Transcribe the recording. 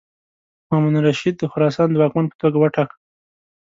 مامون الرشید د خراسان د واکمن په توګه وټاکه.